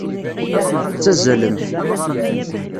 Tettazalemt.